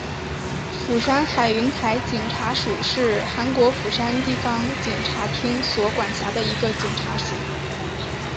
釜山海云台警察署是韩国釜山地方警察厅所管辖的一个警察署。